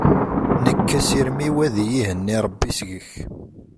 Nekk asirem-iw ad iyi-ihenni Rebbi seg-k.